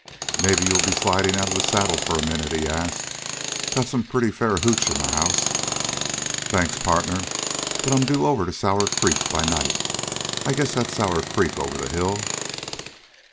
"Maybe you'll be sliding out of the saddle for a minute?" he asked. "Got some pretty fair hooch in the house." "Thanks, partner, but I'm due over to Sour Creek by night. I guess that's Sour Creek over the hill?"